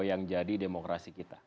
yang jadi demokrasi kita